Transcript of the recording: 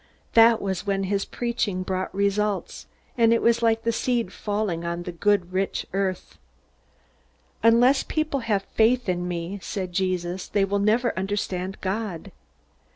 That was when his preaching brought results, and it was like seed falling on good rich earth. "Unless people have faith in me," said Jesus, "they will never understand God.